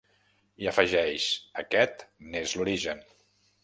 I afegeix: Aquest n’és l’origen.